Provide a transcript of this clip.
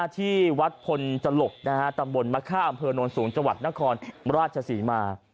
ที่วัดพลจรกษ์ตำบลมัฆ่าอำเภอโนรสูงจนครราชศรีมา